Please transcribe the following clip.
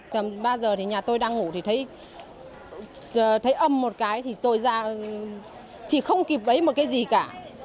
tầm ba giờ thì nhà tôi đang ngủ thì thấy âm một cái thì tôi ra chỉ không kịp bấy một cái gì cả